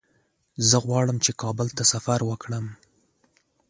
زه غواړم چې کابل ته سفر وکړم.